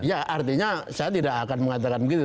ya artinya saya tidak akan mengatakan begitu